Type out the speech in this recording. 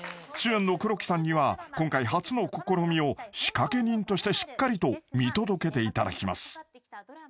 ［主演の黒木さんには今回初の試みを仕掛け人としてしっかりと見届けていただきます］